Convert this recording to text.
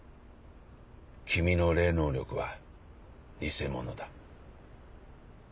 君の霊能力は偽物だ。